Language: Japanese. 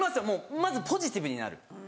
まずポジティブになる。